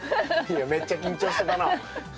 今めっちゃ緊張してたな。